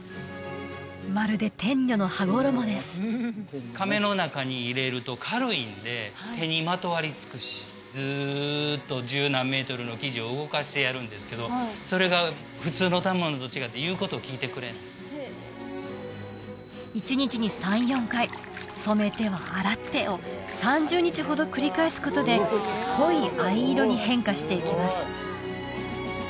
まるで天女の羽衣ですかめの中に入れると軽いんで手にまとわりつくしずっと十何メートルの生地を動かしてやるんですけどそれが普通の反物と違っていうことを聞いてくれない１日に３４回染めては洗ってを３０日ほど繰り返すことで濃い藍色に変化していきます